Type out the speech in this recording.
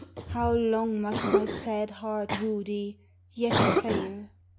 How long must my sad heart woo thee, Yet fail?